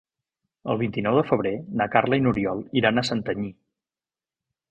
El vint-i-nou de febrer na Carla i n'Oriol iran a Santanyí.